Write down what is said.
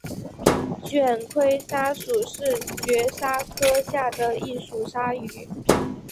卷盔鲨属是角鲨科下的一属鲨鱼。